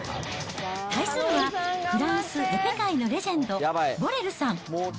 対するは、フランス、エペ界のレジェンド、ボレルさん。